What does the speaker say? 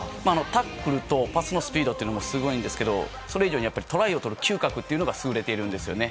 タックルとパスのスピードというのもすごいんですけどそれ以上にトライをとる嗅覚というのが優れているんですよね。